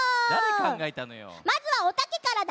まずはおたけからだ。